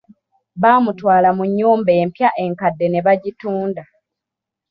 Bamutwale mu nnyumba empya enkadde ne bagitunda.